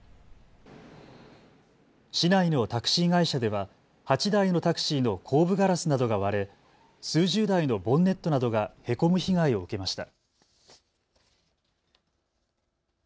市内のタクシー会社では８台のタクシーの後部ガラスなどが割れ数十台のボンネットなどがへこむ被害を受けました。